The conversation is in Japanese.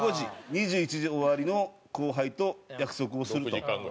２１時終わりの後輩と約束をすると。